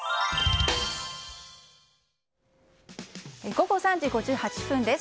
午後３時５８分です。